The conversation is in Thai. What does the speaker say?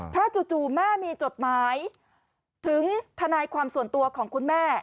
เพราะจู่แม่มีจดหมายถึงทนายความส่วนตัวของคุณแม่